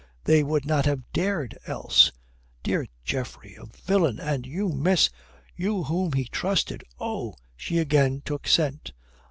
They would not have dared else. Dear Geoffrey! A villain! And you, miss you whom he trusted! Oh!" She again took scent.